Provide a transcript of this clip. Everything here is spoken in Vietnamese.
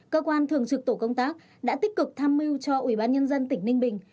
cơ quan thường trực tổ công tác đã tích cực tham mưu cho ubnd tỉnh ninh bình